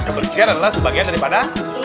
kebelisian adalah sebagian daripada